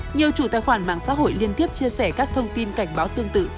nhiều chủ tài khoản mạng xã hội liên tiếp chia sẻ các thông tin cảnh báo tương tự